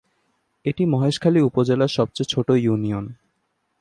এটি মহেশখালী উপজেলার সবচেয়ে ছোট ইউনিয়ন।